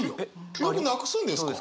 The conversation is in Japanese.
記憶なくすんですか？